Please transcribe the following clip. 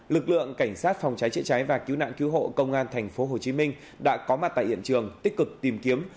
lực lượng cảnh sát phòng trái trị trái và cứu nạn cứu hộ công an thành phố hồ chí minh đã có mặt tại hiện trường tích cực tìm kiếm